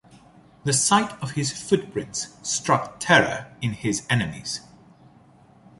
The sight of his footprints struck terror in his enemies.